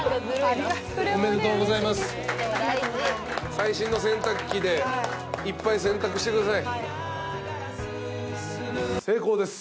最新の洗濯機でいっぱい洗濯してください。